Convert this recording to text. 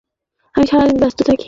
আমি সারাদিন ব্যস্ত থাকি।